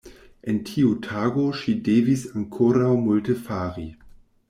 En tiu tago ŝi devis ankoraŭ multe fari.